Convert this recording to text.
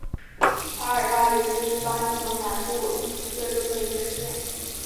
帕尔马里斯是巴西伯南布哥州的一个市镇。